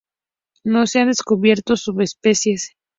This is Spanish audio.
No se han descubierto subespecies.